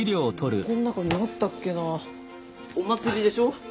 この中にあったっけなお祭りでしょ？